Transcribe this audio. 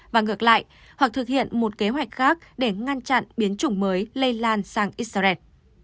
và ngược lại hoặc thực hiện một kế hoạch khác để ngăn chặn biến chủng mới lây lan sang israel